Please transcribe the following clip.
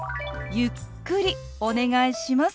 ゆっくりお願いします。